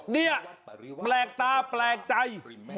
เนี่ยแปลกตาแปลกใจ